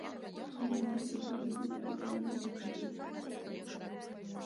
Але народу трэба генеральная лінія, каб іх нехта вёў.